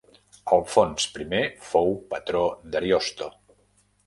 Alfons I fou patró d'Ariosto.